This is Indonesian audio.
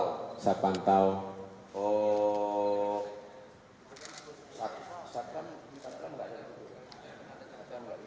oh sarp kan sarp kan enggak ada itu